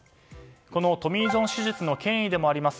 このトミー・ジョン手術の権威でもあります